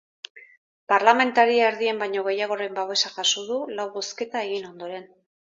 Parlamentari erdien baino gehiagoren babesa jaso du lau bozketa egin ondoren.